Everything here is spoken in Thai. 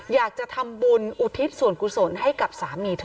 อยากจะทำบุญอุทิศส่วนกุศลให้กับสามีเธอ